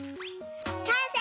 かんせい！